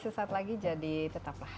sesaat lagi jadi tetaplah